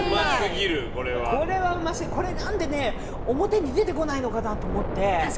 これ、何で表に出てこないのかなと思って。